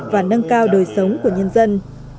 và nâng cao đời sống của nhân dân